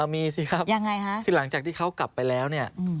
มีสิครับคือหลังจากที่เขากลับไปแล้วยังไงครับ